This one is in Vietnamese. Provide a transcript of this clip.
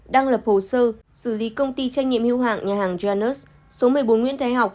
đang lập hồ sơ xử lý công ty trách nhiệm hưu hạng nhà hàng janus số một mươi bốn nguyễn thái học